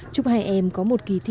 chúc hai em có một kỳ thi